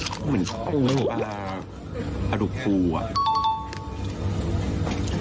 มันเหมือนกลุ่มปลาดุกฟูอ่ะ